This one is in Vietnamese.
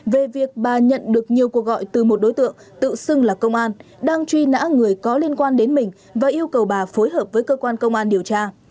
về việc bà nhận được nhiều cuộc gọi từ một đối tượng tự xưng là công an đang truy nã người có liên quan đến mình và yêu cầu bà phối hợp với cơ quan công an điều tra